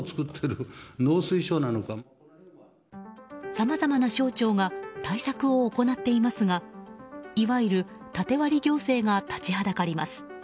さまざまな省庁が対策を行っていますがいわゆる縦割り行政が立ちはだかります。